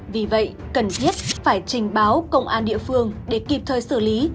vì vậy cần thiết phải trình báo công an địa phương để kịp thời xử lý